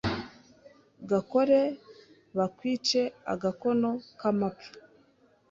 Gakore bakwiceAgakono k'amapfa